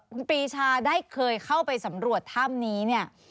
คุณปีชาได้เคยเข้าไปสำรวจถ้ำนี้เนี่ย